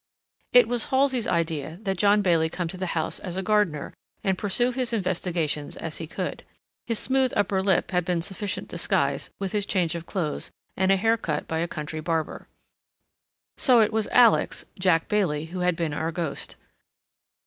It was Halsey's idea that John Bailey come to the house as a gardener, and pursue his investigations as he could. His smooth upper lip had been sufficient disguise, with his change of clothes, and a hair cut by a country barber. So it was Alex, Jack Bailey, who had been our ghost.